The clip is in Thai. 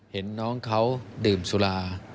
เห็นน้องเขาดื่มสุรา